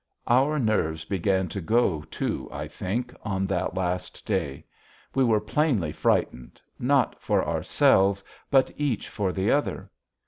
Our nerves began to go, too, I think, on that last day. We were plainly frightened, not for ourselves but each for the other.